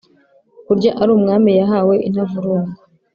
Kurya ari umwami yahawe intavurungwa